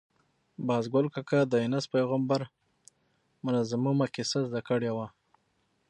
باز ګل کاکا د یونس پېغمبر منظمومه کیسه زده کړې وه.